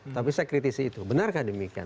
tapi saya kritisi itu benarkah demikian